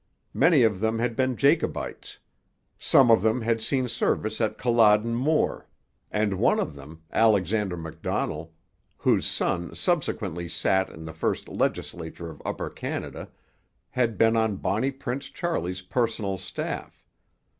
Many of them had been Jacobites; some of them had seen service at Culloden Moor; and one of them, Alexander Macdonell, whose son subsequently sat in the first legislature of Upper Canada, had been on Bonnie Prince Charlie's personal staff.